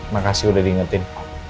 makasih udah diingetin